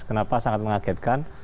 kenapa sangat mengagetkan